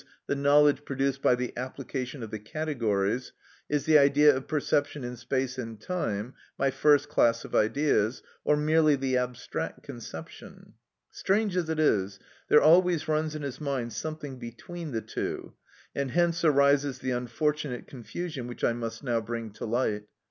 _, the knowledge produced by the application of the categories," is the idea of perception in space and time (my first class of ideas), or merely the abstract conception. Strange as it is, there always runs in his mind something between the two, and hence arises the unfortunate confusion which I must now bring to light.